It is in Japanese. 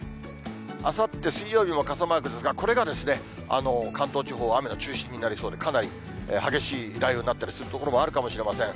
あさって水曜日も傘マークですが、これが関東地方、雨の中心になりそうで、かなり激しい雷雨になったりする所もあるかもしれません。